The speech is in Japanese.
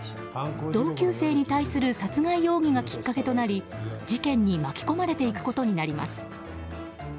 同級生に対する殺害容疑がきっかけとなり事件に巻き込まれていくことになります。